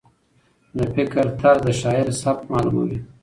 د فکر طرز د شاعر سبک معلوموي.